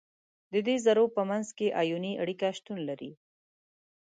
د دې ذرو په منځ کې آیوني اړیکه شتون لري.